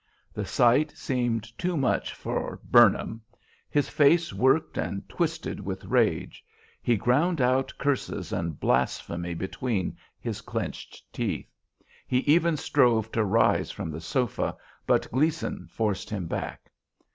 The sight seemed too much for "Burnham." His face worked and twisted with rage; he ground out curses and blasphemy between his clinched teeth; he even strove to rise from the sofa, but Gleason forced him back.